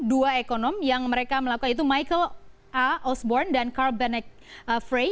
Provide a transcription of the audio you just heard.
dua ekonomi yang mereka melakukan yaitu michael a osborne dan carl bennett frey